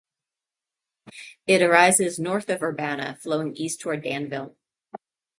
It arises north of Urbana, flowing east toward Danville.